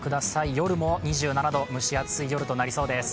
夜も２７度、蒸し暑い夜となりそうです。